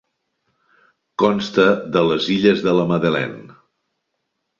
Consta de les illes de la Madeleine.